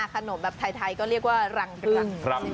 ขนมแบบไทยก็เรียกว่ารังเรื่อง